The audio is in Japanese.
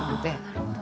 なるほど。